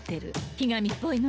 ひがみっぽいのね。